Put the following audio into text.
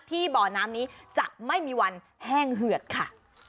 บ่อน้ำนี้จะไม่มีวันแห้งเหือดค่ะ